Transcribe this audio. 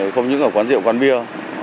không những ở quán rượu quán bia